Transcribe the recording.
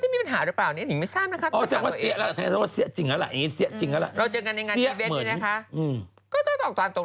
มีปัญหาหรือเปล่านี่นิ่งไม่ทราบนะคะตัวตามตัวเอง